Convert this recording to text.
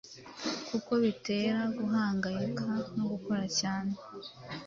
kuko bitera guhangayika no gukora cyane